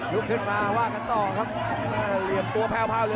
ลุงขึ้นมาว่ากันต่อครับตัวแพวว